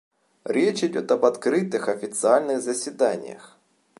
Речь идет об открытых официальных заседаниях.